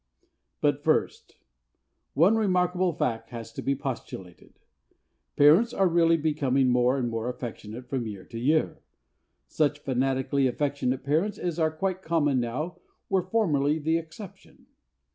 But, first, one remarkable fact has to be postulated. Parents are really becoming more and more affectionate from year to year. Such fanatically affectionate parents as are quite common now were formerly the exception.